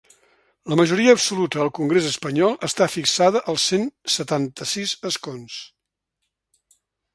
La majoria absoluta al congrés espanyol està fixada als cent setanta-sis escons.